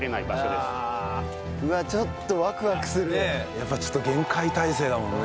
やっぱりちょっと厳戒態勢だもんね。